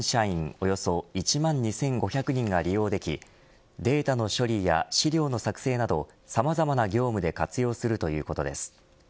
およそ１万２５００人が利用できデータの処理や資料の作成などさまざまな業務で活用するということです。